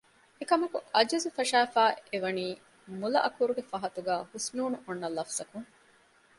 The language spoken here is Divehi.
އެކަމަކު ޢަޖުޒު ފަށައިފައި އެ ވަނީ މުލައަކުރުގެ ފަހަތުގައި ހުސްނޫނު އޮންނަ ލަފުޒަކުން